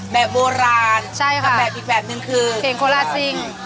แบบโบราณเพียรนด์อีกแบบหนึ่งคือนี่ไงโคลาซิ่ง